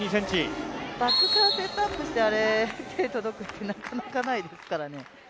バックからセットアップして手が届くってなかなかないですからね。